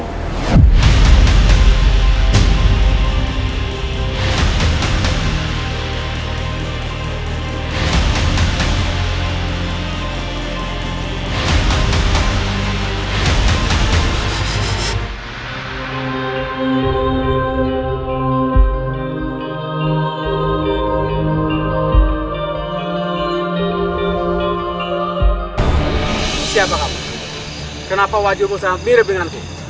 aku berhasil menangkapnya